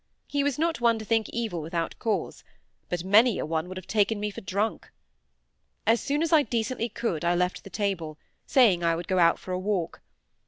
He was not one to think evil without cause; but many a one would have taken me for drunk. As soon as I decently could I left the table, saying I would go out for a walk.